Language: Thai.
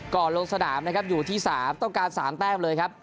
ลงสนามนะครับอยู่ที่๓ต้องการ๓แต้มเลยครับ